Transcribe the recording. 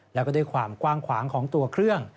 แล้วก็ด้วยความกว้างขวางของตัวเครื่อง